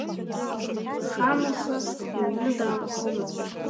Шамаха иҩны даанхомызт.